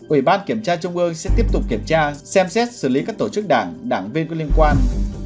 ủy ban kiểm tra trung ương sẽ tiếp tục kiểm tra xem xét xử lý các tổ chức đảng đảng viên có liên quan